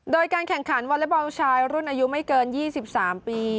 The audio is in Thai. โดยการแข่งขันวอเล็กบอลชายรุ่นอายุไม่เกิน๒๓ปี